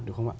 đúng không ạ